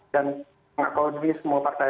dan mengakomodasi semua partai